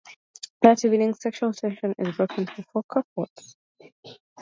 That evening, sexual tension is broken for four couples.